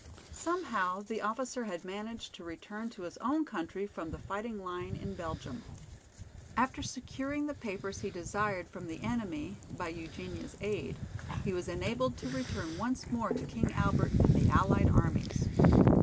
Somehow the officer had managed to return to his own country from the fighting line in Belgium. After securing the papers he desired from the enemy, by Eugenia's aid, he was enabled to return once more to King Albert and the Allied armies.